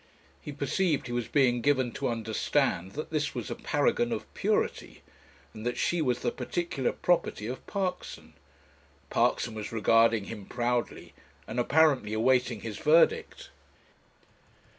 He perceived he was being given to understand that this was a Paragon of Purity, and that she was the particular property of Parkson. Parkson was regarding him proudly, and apparently awaiting his verdict.